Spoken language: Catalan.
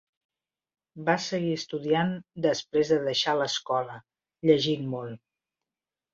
Va seguir estudiant després de deixar l'escola, llegint molt.